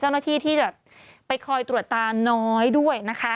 เจ้าหน้าที่ที่จะไปคอยตรวจตาน้อยด้วยนะคะ